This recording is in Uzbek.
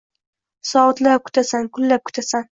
Soatlab kutasan, kunlab kutasan